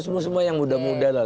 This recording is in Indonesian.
semua semua yang muda muda lah